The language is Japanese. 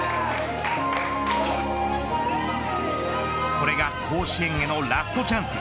これが甲子園へのラストチャンス。